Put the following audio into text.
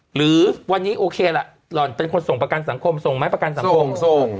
หรือวันนี้โอเคล่ะหล่อนเป็นคนส่งประกันสังคมส่งไหมประกันสังคมส่ง